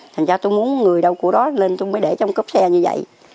thành ra tôi muốn người đâu của đó lên tôi mới để trong cốp xe như vậy